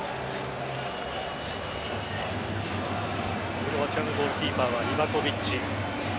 クロアチアのゴールキーパーはリヴァコヴィッチ。